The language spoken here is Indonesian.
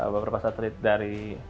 beberapa satelit dari